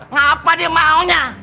ngapa dia maunya